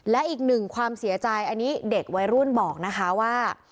และอีกหนึ่งความเสียใจอันนี้เด็กวัยรุ่นบอกนะคะว่า